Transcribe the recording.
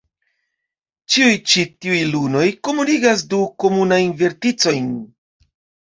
Ĉiuj ĉi tiuj lunoj komunigas du komunajn verticojn.